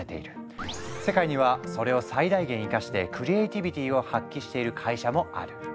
世界にはそれを最大限生かしてクリエイティビティーを発揮している会社もある。